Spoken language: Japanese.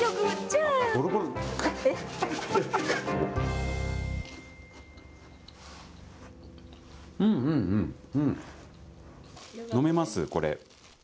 うんうんうん、飲めます、これ。